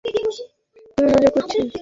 কোনো মজা করছি না।